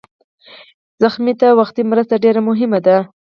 ټپي ته وختي مرسته ډېره مهمه ده.